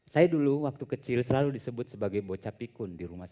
saya dulu waktu kecil selalu disebut sebagai bocah pikun di rumah saya